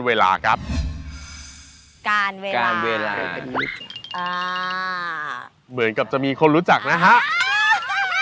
เหมือนกับจะมีคนรู้จักนะครับ